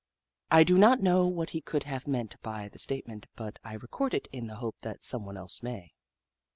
I do not know what he could have meant by the statement, but I record it in the hope that someone else may.